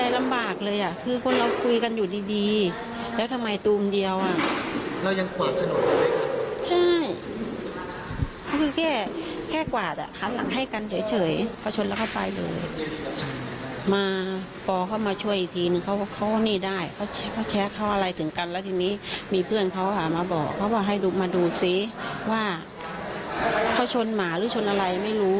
แล้วทีนี้มีเพื่อนเขาหามาบอกเขาบอกให้มาดูซิว่าเขาชนหมาหรือชนอะไรไม่รู้